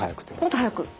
もっと速く。